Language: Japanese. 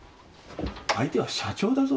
相手は社長だぞ。